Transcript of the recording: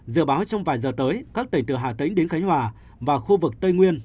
dự báo trong vài giờ tới các tỉnh từ hà tĩnh đến khánh hòa và khu vực tây nguyên